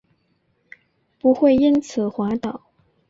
不会因此滑倒